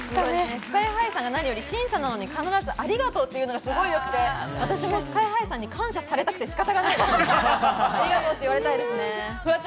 ＳＫＹ−ＨＩさんが審査なのに「ありがとう」っていうのがすごく良くて、私もＳＫＹ−ＨＩさんに感謝されたくて仕方ないですね。